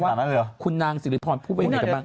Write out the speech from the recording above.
ว่าคุณนางศิริพรพูดไปยังไงกันบ้าง